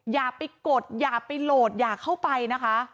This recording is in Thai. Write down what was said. อย่าไปกดอย่าไปโหลดอย่าเข้าไปนะคะ